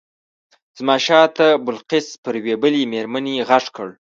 زما شاته بلقیس پر یوې بلې مېرمنې غږ کړ.